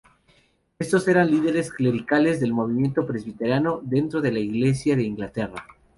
Estos eran líderes clericales del movimiento presbiteriano dentro de la Iglesia de Inglaterra.